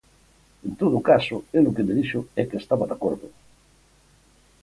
En todo caso, el o que me dixo é que estaba de acordo.